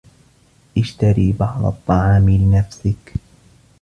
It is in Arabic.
اشتري بعض الطّعام لنفسك.